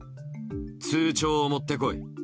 通帳を持って来い。